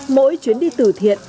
mỗi chuyến đi tử thiện